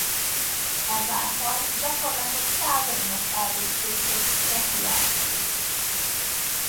Ezáltal gyakorlatok százainak elvégzését teszi lehetővé.